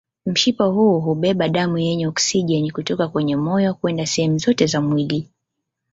Mshipa huu hubeba damu yenye oksijeni kutoka kwenye moyo kwenda sehemu zote za mwili.